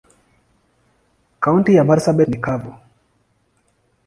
Kaunti ya marsabit ni kavu.